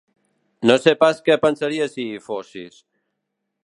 No sé pas què pensaria si hi fossis.